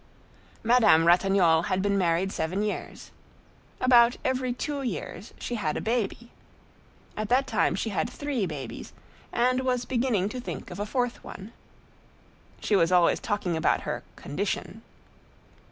Madame Ratignolle had been married seven years. About every two years she had a baby. At that time she had three babies, and was beginning to think of a fourth one. She was always talking about her "condition."